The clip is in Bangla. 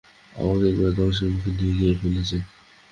আমাকে একেবারে ধ্বংসের মুখে নিয়ে গিয়ে ফেলেছে।